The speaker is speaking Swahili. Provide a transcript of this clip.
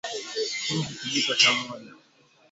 Chumvi Kijiko cha moja